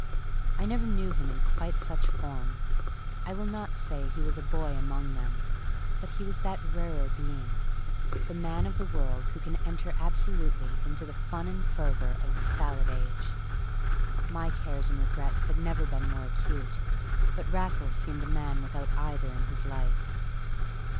I never knew him in quite such form. I will not say he was a boy among them, but he was that rarer being, the man of the world who can enter absolutely into the fun and fervor of the salad age. My cares and my regrets had never been more acute, but Raffles seemed a man without either in his life.